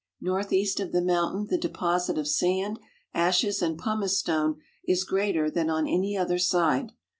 Northeast of the mountain the deposit of sand, ashes, and pumice stone is greater than on any other side.